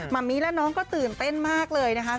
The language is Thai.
มะมิและน้องก็ตื่นเต้นมากเลยนะคะ